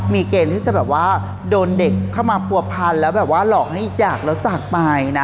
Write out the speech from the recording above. มีเกณฑ์ที่จะแบบว่าโดนเด็กเข้ามาผัวพันแล้วแบบว่าหลอกให้อยากแล้วจากไปนะ